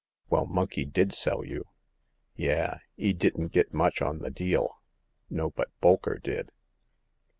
" Well, Monkey did sell you." " Yah ! 'e didn't get much on th' deal !"" No ; but Bolker did."